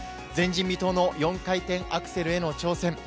前人未到の４回転アクセルへの挑戦。